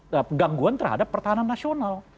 gak ada gangguan terhadap pertahanan nasional